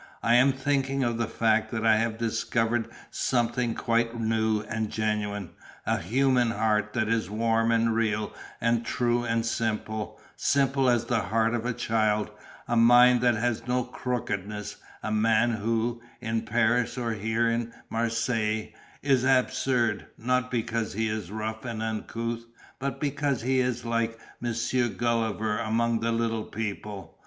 I am thinking of the fact that I have discovered something quite new and genuine, a human heart that is warm and real and true and simple, simple as the heart of a child, a mind that has no crookedness, a man who, in Paris or here in Marseilles, is absurd, not because he is rough and uncouth, but because he is like Monsieur Gulliver amongst the little people.